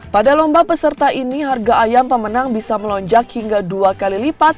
pada lomba peserta ini harga ayam pemenang bisa melonjak hingga dua kali lipat